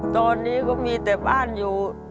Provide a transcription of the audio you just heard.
ตอนนี้ก็มีแต่บ้านอยู่